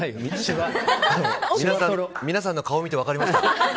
皆さんの顔見て分かりました。